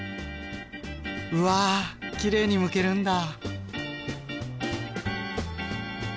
うわきれいにむけるんだ！